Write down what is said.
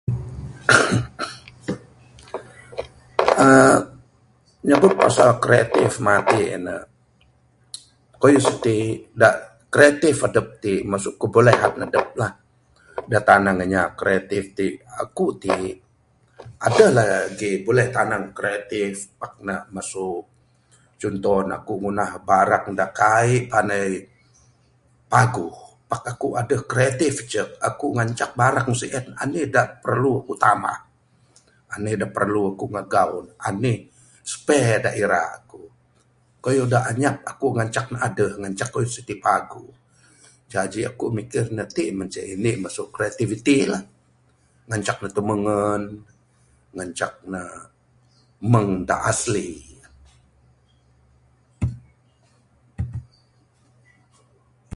aaa nyebut pasal kreatif matik ne keyuh siti dak kreatif adep ti mesu kebolehan adeplah dak tanang inya kreatif ti. Aku ti adeh legi buleh tanang kreatif pak ne mesu contoh ne aku ngundah barang dak kai pandai paguh pak aku adeh kreatif icek aku ngancak barang sien enih dak perlu ku tambah enih dak perlu ku ngegau ne enih spear dak ira ku. Keyuh dak inyap aku ngancak ne adeh ngancak keyuh siti paguh, jaji aku mikir ne iti mah ceh indi mesu kreativiti lah ngancak ne timengen, ngancak ne mung dak asli.